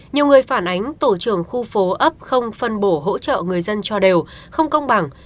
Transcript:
nhiều người phản ánh tổ trưởng khu phố ấp không phân bổ hỗ trợ người dân cho đều không công bằng